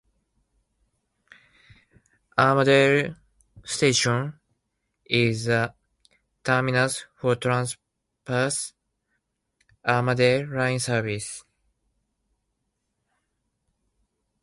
Armadale station is the terminus for Transperth Armadale line services.